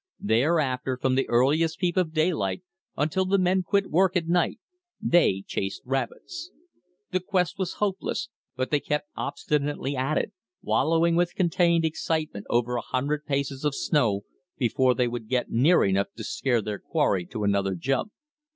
Thereafter from the earliest peep of daylight until the men quit work at night they chased rabbits. The quest was hopeless, but they kept obstinately at it, wallowing with contained excitement over a hundred paces of snow before they would get near enough to scare their quarry to another jump.